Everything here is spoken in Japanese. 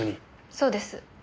そうです。